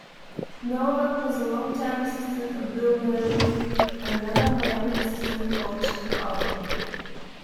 Novak was a longtime assistant of Bill Mallory, another Miami assistant coach and alum.